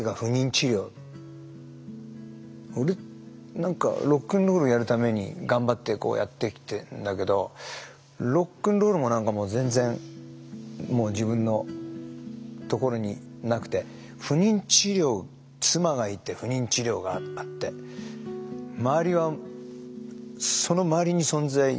何かロックンロールやるために頑張ってこうやってきてんだけどロックンロールも何かもう全然自分のところになくて不妊治療妻がいて不妊治療があって周りはその周りに存在いろんなものが存在してるような。